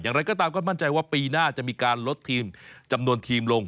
อย่างไรก็ตามก็มั่นใจว่าปีหน้าจะมีการลดทีมจำนวนทีมลง